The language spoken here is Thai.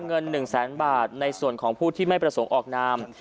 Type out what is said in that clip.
เงิน๑แสนบาทในส่วนของผู้ที่ไม่ประสงค์ออกนาม